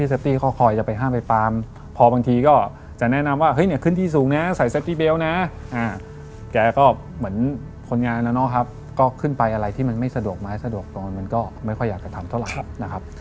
สะดวกตอนนั้นมันก็ไม่ค่อยอยากจะทำเท่าหลักนะครับ